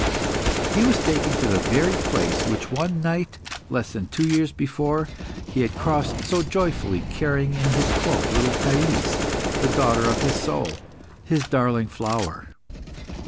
He was taken to the very place which one night, less than two years before, he had crossed so joyfully, carrying in his cloak little Thais, the daughter of his soul, his darling flower.